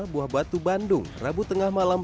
buah batu bandung rabu tengah malam